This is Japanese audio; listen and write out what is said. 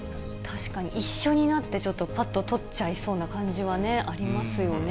確かに、一緒になって、ちょっと、ぱっと採っちゃいそうな感じはありますよね。